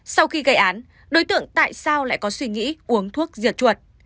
sau khi gây án đối tượng tại sao lại có suy nghĩ uống thuốc diệt chuột